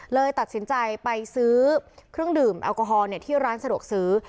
เลยตัดสินใจไปซื้อเครื่องดื่มแอลกอฮอลที่ร้านสะดวกซื้อ